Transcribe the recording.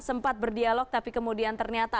sempat berdialog tapi kemudian ternyata